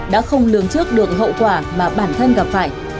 đã không lường trước được hậu quả mà bản thân gặp phải